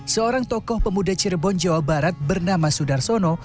seorang tokoh pemuda cirebon jawa barat bernama sudarsono